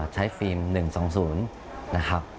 ฟิล์ม๑๒๐นะครับ